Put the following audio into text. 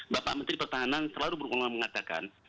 bapak menteri pertahanan selalu berkongal mengatakan